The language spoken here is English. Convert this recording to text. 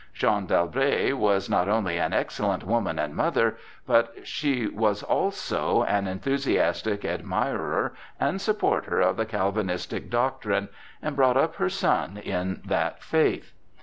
Jeanne d'Albret was not only an excellent woman and mother, but she was also an enthusiastic admirer and supporter of the Calvinistic doctrine, and brought up her son in that faith.